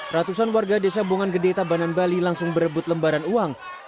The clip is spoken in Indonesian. ratusan warga desa bongan gede tabanan bali langsung berebut lembaran uang